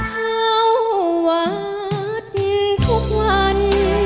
เข้าวัดทุกวัน